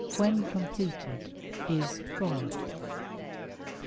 when completed, is God